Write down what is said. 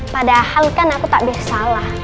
padahal kan aku tak bisa salah